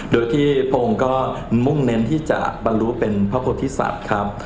โดยที่พระองค์ก็มุ่งเน้นที่จะบรรลุเป็นพระพุทธศัตริย์ครับ